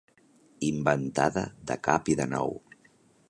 Inventada de cap i de nou.